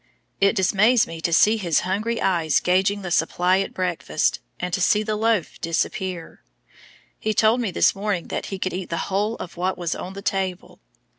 It dismays me to see his hungry eyes gauging the supply at breakfast, and to see the loaf disappear. He told me this morning that he could eat the whole of what was on the table.